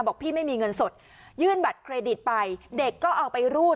บอกพี่ไม่มีเงินสดยื่นบัตรเครดิตไปเด็กก็เอาไปรูด